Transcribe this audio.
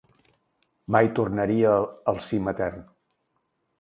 Mai tornaria al si matern.